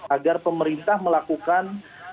agar pemerintah melakukan